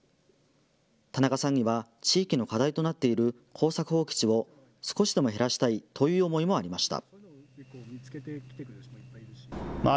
田中さんには地域の課題となっている耕作放棄地を少しでも減らしたいという思いもありました。